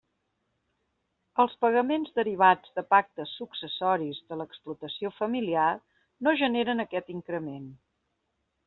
Els pagaments derivats de pactes successoris de l'explotació familiar no generen aquest increment.